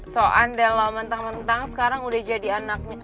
soal lo mentang mentang sekarang udah jadi anaknya